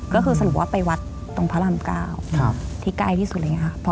ก็คือสรุปว่าไปวัดตรงพระรำเกล้าที่ใกล้ที่สุดเลยนะครับ